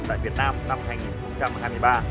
tại việt nam năm hai nghìn hai mươi ba